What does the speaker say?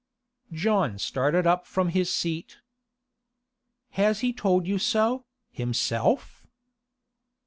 John started up from his seat. 'Has he told you so, himself?